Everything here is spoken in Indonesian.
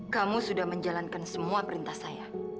kamu sudah menjalankan semua perintah saya